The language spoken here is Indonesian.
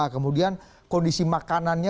kemudian kondisi makanannya